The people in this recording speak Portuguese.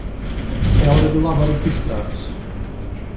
É hora de lavar esses pratos.